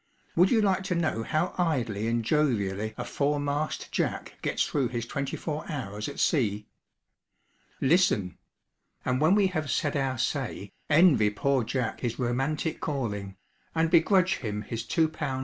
would you like to know how idly and jovially a foremast Jack gets through his twenty four hours at sea? Listen; and when we have 'said our say,' envy poor Jack his romantic calling, and begrudge him his L.2, 10s.